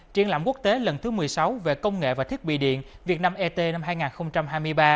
triển lãm quốc tế lần thứ một mươi sáu về công nghệ và thiết bị điện việt nam et năm hai nghìn hai mươi ba